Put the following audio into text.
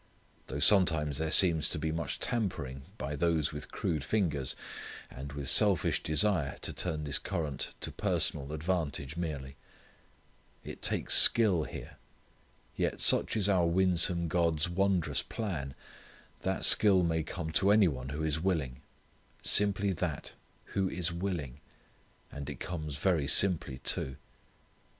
Though sometimes there seems to be much tampering by those with crude fingers, and with selfish desire to turn this current to personal advantage merely. It takes skill here. Yet such is our winsome God's wondrous plan that skill may come to any one who is willing; simply that who is willing; and it comes very simply too.